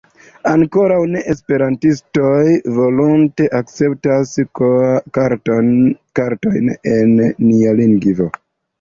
Ankaŭ ne-esperantistoj volonte akceptas kartojn en nia lingvo.